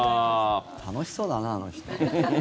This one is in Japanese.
楽しそうだな、あの人。